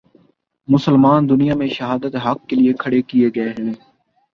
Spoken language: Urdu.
مسلمان دنیا میں شہادت حق کے لیے کھڑے کیے گئے ہیں۔